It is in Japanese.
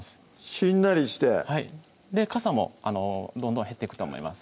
しんなりしてはいかさもどんどん減っていくと思います